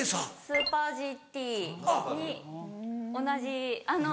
スーパーＧＴに同じあの。